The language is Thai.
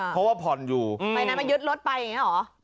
เพราะว่าผ่อนอยู่ใบนั้นมายึดรถไปอย่างนี้หรอ